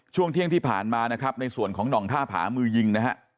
ช่วงเที่ยงที่ผ่านมานะครับในส่วนของหน่องท่าผามือยิงนะฮะ